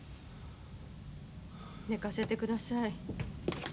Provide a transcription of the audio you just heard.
寝かせて下さい。